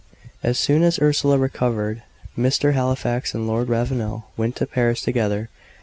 As soon as Ursula recovered, Mr. Halifax and Lord Ravenel went to Paris together.